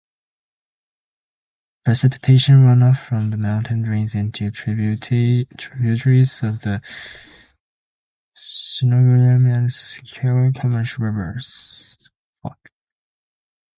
Precipitation runoff from the mountain drains into tributaries of the Snoqualmie and Skykomish Rivers.